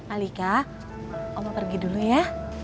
alika kamu pergi dulu ya